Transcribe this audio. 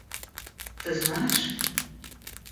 Ты знаешь?